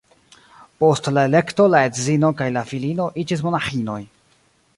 Post la elekto la edzino kaj la filino iĝis monaĥinoj.